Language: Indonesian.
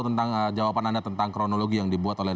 tentang jawaban anda tentang kronologi yang dibuat oleh